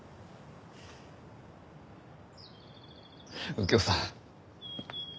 右京さん。